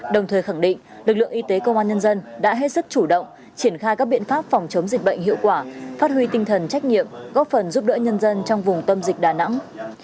đồng thời khẳng định lực lượng y tế công an nhân dân đã hết sức chủ động triển khai các biện pháp phòng chống dịch bệnh hiệu quả phát huy tinh thần trách nhiệm góp phần giúp đỡ nhân dân trong vùng tâm dịch đà nẵng